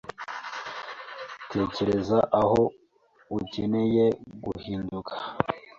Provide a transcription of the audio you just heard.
tekereza aho ukeneye guhinduka